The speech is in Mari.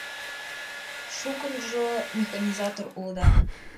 Шукынжо механизатор улыда.